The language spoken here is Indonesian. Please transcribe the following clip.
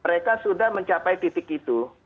mereka sudah mencapai titik itu